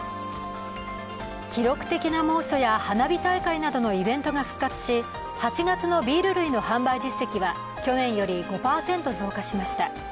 記録的な猛暑や花火大会などのイベントが復活し８月のビール類の販売実績は去年より５％増加しました。